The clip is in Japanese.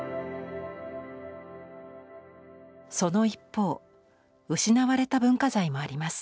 その一方失われた文化財もあります。